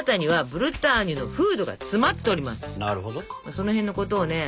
その辺のことをね